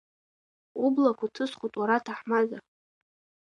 Ублақәа ҭысхуеит уара аҭаҳмада.